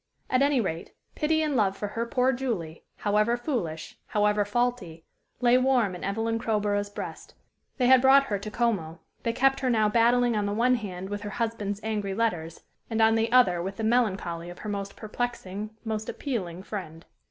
At any rate, pity and love for her poor Julie however foolish, however faulty lay warm in Evelyn Crowborough's breast; they had brought her to Como; they kept her now battling on the one hand with her husband's angry letters and on the other with the melancholy of her most perplexing, most appealing friend.